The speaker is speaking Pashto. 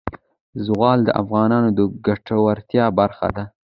زغال د افغانانو د ګټورتیا برخه ده.